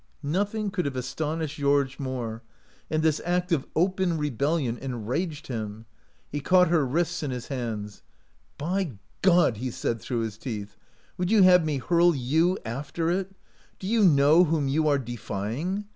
10 145 OUT OF BOHEMIA Nothing could have astonished Georges more, and this act of open rebellion en raged him. He caught her wrists in his hands. "By God!" he said through his teeth, " would you have me hurl you after it? Do you know whom you are defying?